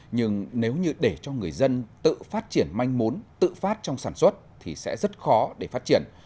nhưng nếu như để cho người dân tự phát triển manh mốn tự phát trong sản xuất thì sẽ rất khó để phát triển